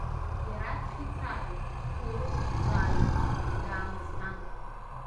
Иара дфицарын, дҭоурыхҭҵааҩын, даамысҭан.